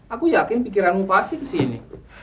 aku yakin pikiranmu pasti kesini